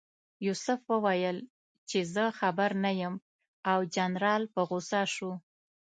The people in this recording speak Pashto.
یوسف وویل چې زه خبر نه یم او جنرال په غوسه شو.